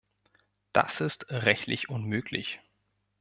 Das ist rechtlich unmöglich.